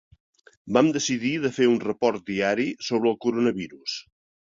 Vam decidir de fer un “Report diari sobre el coronavirus”.